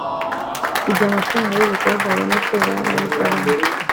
igihe amafaranga y’ubukode abonetse barayagabana.